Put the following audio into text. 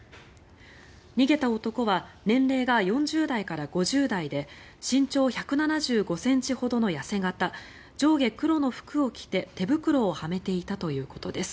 逃げた男は年齢が４０代から５０代で身長１７５ｃｍほどの痩せ形上下黒の服を着て手袋をはめていたということです。